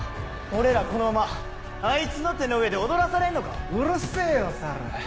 俺らこのままあいつの手の上で踊らされんのか⁉うるせぇよ猿。